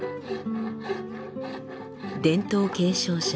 伝統継承者